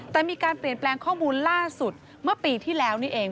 แต่มีการเปลี่ยนแปลงข้อมูลล่าสุดเมื่อปีที่แล้วนี่เอง